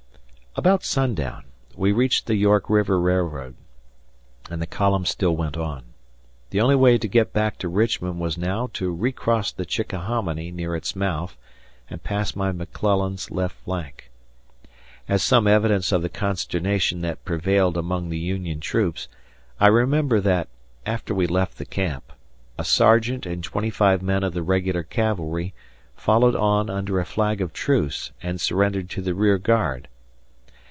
About sundown we reached the York River Railroad, and the column still went on. The only way to get back to Richmond was now to recross the Chickahominy near its mouth and pass by McClellan's left flank. As some evidence of the consternation that prevailed among the Union troops, I remember that, after we left the camp, a sergeant and twenty five men of the regular cavalry followed on under a flag of truce and surrendered to the rearguard